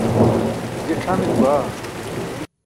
je c̣hamine baa